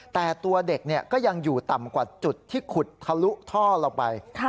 แต่ตัวเด็กก็ยังอยู่ต่ำกว่าจุดที่ขุดทะลุท่อเราไป